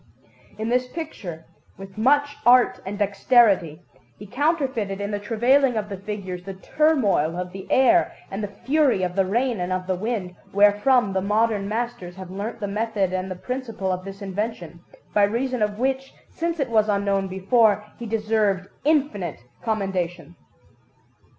In this picture, with much art and dexterity, he counterfeited in the travailing of the figures the turmoil of the air and the fury of the rain and of the wind, wherefrom the modern masters have learnt the method and the principle of this invention, by reason of which, since it was unknown before, he deserved infinite commendation.